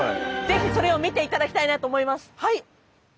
ぜひそれを見ていただきたいなと思います。